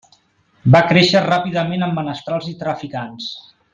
Va créixer ràpidament amb menestrals i traficants.